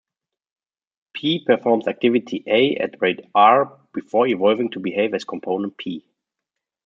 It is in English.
"P" performs activity "a" at rate "r" before evolving to behave as component "P".